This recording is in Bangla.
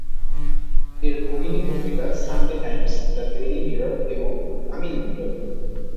এর ভগিনী পত্রিকা "Sunday Times", "the Daily Mirror" এবং "তামিল মিরর"।